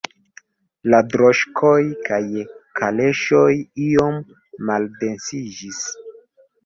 La droŝkoj kaj kaleŝoj iom maldensiĝis.